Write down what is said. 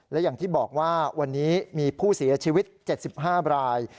และอย่างที่บอกว่าวันนี้มีผู้เสียชีวิต๗๕ราย